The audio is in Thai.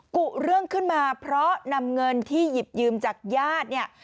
กุเรื่องขึ้นมาเพราะนำเงินที่หยิบยืมจากญาติเนี่ย